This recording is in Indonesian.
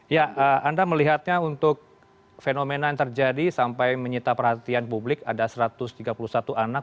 ya anda melihatnya untuk fenomena yang terjadi sampai menyita perhatian publik ada satu ratus tiga puluh satu anak